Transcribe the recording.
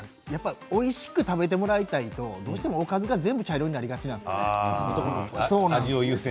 おいしく食べてもらいたいと、どうしてもおかずが全部茶色になりがちなんですよね。